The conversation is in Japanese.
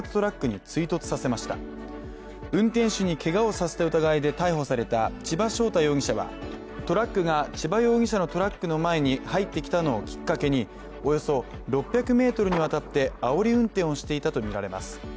運転手にけがをさせた疑いで逮捕された千葉翔太容疑者はトラックが千葉容疑者のトラックの前に入ってきたのをきっかけにおよそ６００ｍにわたってあおり運転をしていたとみられます。